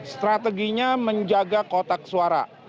strateginya menjaga kotak suara